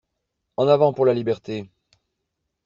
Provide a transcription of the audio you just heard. En avant pour la Liberté!